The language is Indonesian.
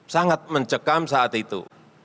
sangat mencekam saat itu